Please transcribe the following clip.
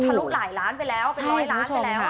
ลุหลายล้านไปแล้วเป็นร้อยล้านไปแล้ว